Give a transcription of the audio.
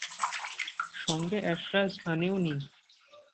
সঙ্গে এসরাজ আনেও নি।